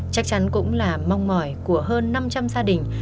chắc chắn cũng là mong mỏi của hơn năm trăm linh gia đình